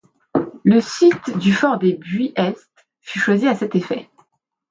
Le site du fort des Buis-est fut choisi à cet effet.